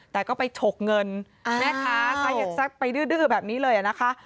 แต่ก็ไปฉกเงินอ้าวแม่คะใครอยากซักไปดื้อดื้อแบบนี้เลยอ่ะนะคะ